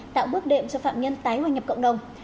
tạo bước đệm cho phạm nhân tái hòa nhập cộng đồng